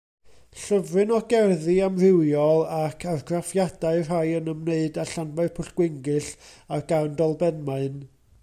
Llyfryn o gerddi amrywiol ac argraffiadau, rhai yn ymwneud â Llanfairpwllgwyngyll a Garndolbenmaen.